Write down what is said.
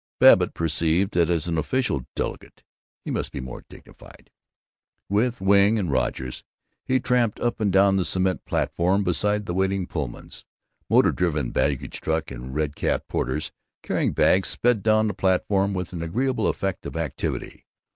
Babbitt perceived that as an official delegate he must be more dignified. With Wing and Rogers he tramped up and down the cement platform beside the waiting Pullmans. Motor driven baggage trucks and red capped porters carrying bags sped down the platform with an agreeable effect of activity.